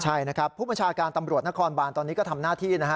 ใช่นะครับผู้บัญชาการตำรวจนครบานตอนนี้ก็ทำหน้าที่นะฮะ